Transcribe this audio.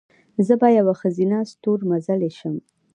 زه به یوه ښځینه ستورمزلې شم."